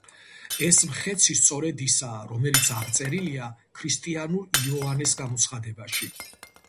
ეს „მხეცი“ სწორედ ისაა, რომელიც აღწერილია ქრისტიანულ იოანეს გამოცხადებაში.